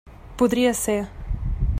Podria ser.